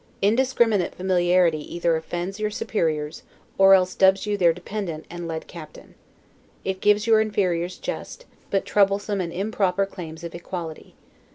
Indiscriminate familiarity either offends your superiors, or else dubbs you their dependent and led captain. It gives your inferiors just, but troublesome and improper claims of equality.